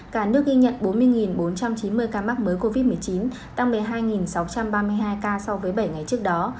cả nước ghi nhận bốn mươi bốn trăm chín mươi ca mắc mới covid một mươi chín tăng một mươi hai sáu trăm ba mươi hai ca so với bảy ngày trước đó